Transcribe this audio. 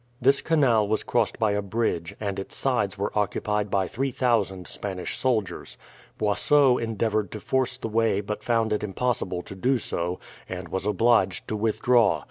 This canal was crossed by a bridge, and its sides were occupied by 3000 Spanish soldiers. Boisot endeavoured to force the way but found it impossible to do so, and was obliged to withdraw.